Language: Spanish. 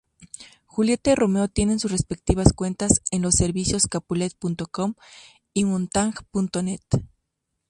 Julieta y Romeo tienen sus respectivas cuentas en los servidores capulet.com y montague.net.